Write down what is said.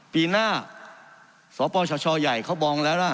ปีหน้าสปชยเขาบอกแล้วนะ